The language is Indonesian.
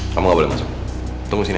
kamu gak boleh masuk tunggu sini aja